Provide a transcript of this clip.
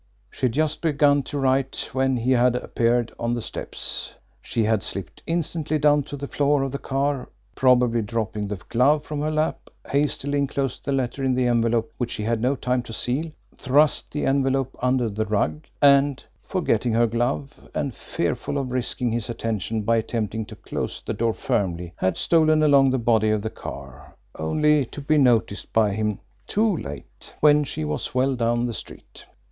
She had but just begun to write when he had appeared on the steps. She had slipped instantly down to the floor of the car, probably dropping the glove from her lap, hastily inclosed the letter in the envelope which she had no time to seal, thrust the envelope under the rug, and, forgetting her glove and fearful of risking his attention by attempting to close the door firmly, had stolen along the body of the car, only to be noticed by him too late when she was well down the street!